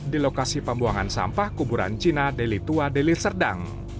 di lokasi pembuangan sampah kuburan cina delitua delitserdang